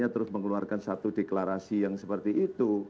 terus mengeluarkan satu deklarasi yang seperti itu